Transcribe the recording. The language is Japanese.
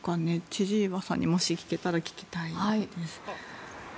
千々岩さんにもし聞けたら聞きたいです。